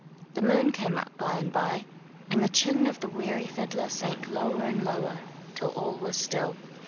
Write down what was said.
The moon came up by and by, and the chin of the weary fiddler sank lower and lower, till all was still.